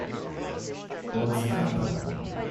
What's up?